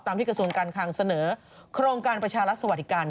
ที่กระทรวงการคังเสนอโครงการประชารัฐสวัสดิการ